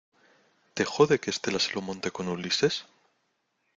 ¿ te jode que Estela se lo monte con Ulises?